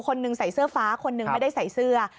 คนนึงใส่เสื้อฟ้าคนนึงไม่ได้ใส่เสื้อ